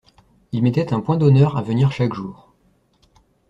Il mettait un point d’honneur à venir chaque jour.